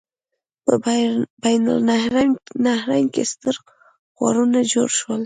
په بین النهرین کې ستر ښارونه جوړ شول.